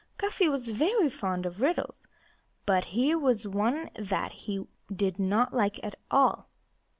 Cuffy was very fond of riddles; but here was one that he did not like at all.